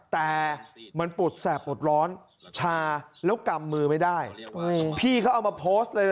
แต่มันปวดแสบปวดร้อนชาแล้วกำมือไม่ได้พี่เขาเอามาโพสต์เลย